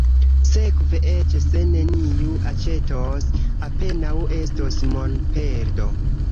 Sekve, eĉ se neniu aĉetos, apenaŭ estos monperdo.